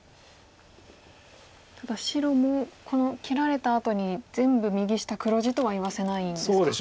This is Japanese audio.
ただ白もこの切られたあとに全部右下黒地とは言わせないんですか。